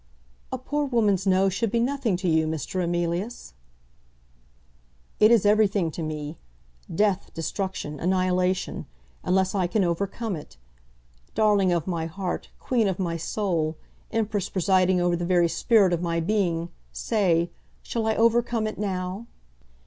"A poor woman's no should be nothing to you, Mr. Emilius." "It is everything to me, death, destruction, annihilation, unless I can overcome it. Darling of my heart, queen of my soul, empress presiding over the very spirit of my being, say, shall I overcome it now?"